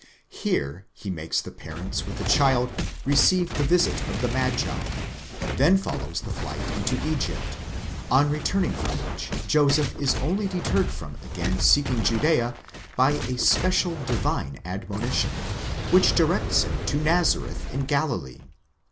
Here he makes the parents with the child receive the visit of the magi; then follows the flight into Egypt, on returning from which Joseph is only deterred from again seeking Judea by a special divine admonition, which directs him to Nazareth in Galilee (ii.